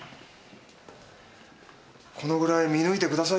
このぐらい見抜いてくださいよ。